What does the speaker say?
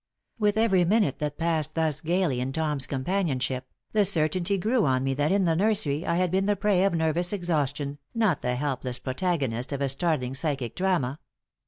With every minute that passed thus gaily in Tom's companionship, the certainty grew on me that in the nursery I had been the prey of nervous exhaustion, not the helpless protagonist of a startling psychic drama.